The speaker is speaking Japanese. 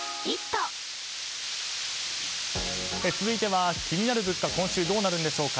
続いては、気になる物価今週どうなるんでしょうか。